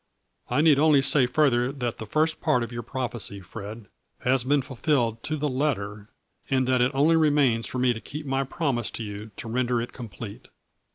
I need only say further that the first part of your prophecy, Fred, has been fulfilled to the letter, and that it only remains for me to keep my promise to you to render it complete.